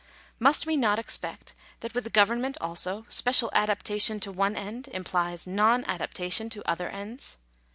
Must we not expect that with a government also, special adaptation to one end implies non adaptation to other ends